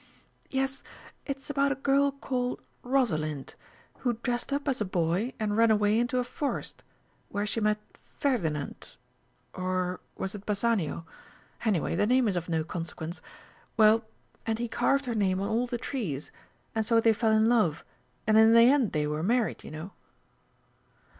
Yes, it's about a girl called "Rosalind," who dressed up as a boy and ran away into a forest, where she met Ferdinand or was it Bassanio? anyway, the name is of no consequence. Well, and he carved her name on all the trees, and so they fell in love, and in the end they were married, you know."